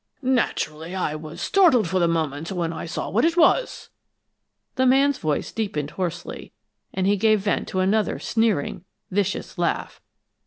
Naturally, I was startled for the moment, when I saw what it was." The man's voice deepened hoarsely, and he gave vent to another sneering, vicious laugh.